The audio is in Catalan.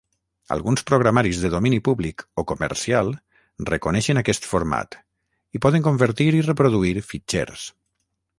Alguns programaris de domini públic o comercial reconeixen aquest format, i poden convertir i reproduir fitxers.